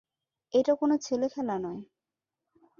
এটা কোনো ছেলেখেলা নয়।